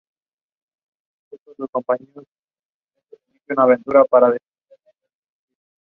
William Hutton of Belfast.